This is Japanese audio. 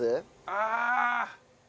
ああ！